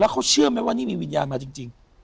เขาเชื่อไหมว่านี่มีวิญญาณมาจริง